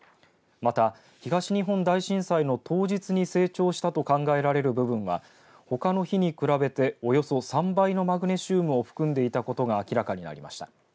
また東日本大震災の当日に成長したと考えられる部分はほかの日に比べておよそ３倍のマグネシウムを含んでいたことが明らかになりました。